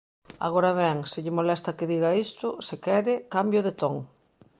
Agora ben, se lle molesta que diga isto, se quere, cambio de ton.